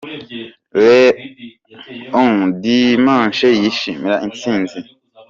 Les Onze du Dimanche yishimira insinzi.